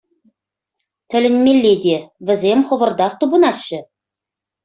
Тӗлӗнмелле те -- вӗсем хӑвӑртах тупӑнаҫҫӗ.